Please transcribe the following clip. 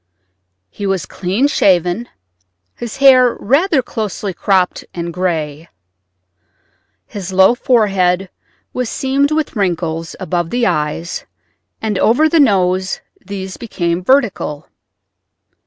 He was clean shaven, his hair rather closely cropped and gray. His low forehead was seamed with wrinkles above the eyes, and over the nose these became vertical.